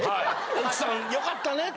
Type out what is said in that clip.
奥さん良かったねって。